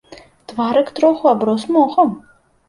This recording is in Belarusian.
Тварык троху аброс мохам.